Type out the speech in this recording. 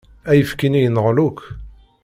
Ayefki-nni yenɣel akk.